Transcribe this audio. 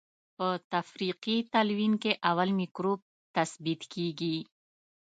په تفریقي تلوین کې اول مکروب تثبیت کیږي.